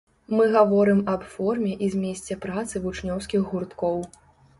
Мы гаворым аб форме і змесце працы вучнёўскіх гурткоў.